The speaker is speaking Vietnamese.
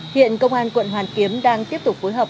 hiện công an quận hoàn kiếm đang tiếp tục phối hợp